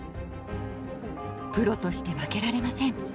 プロとして負けられません。